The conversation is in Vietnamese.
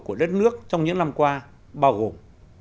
của đất nước trong những năm qua bao gồm